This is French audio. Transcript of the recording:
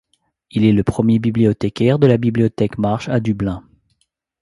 Il est le premier bibliothécaire de la bibliothèque Marsh à Dublin.